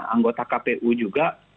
anggota kpu juga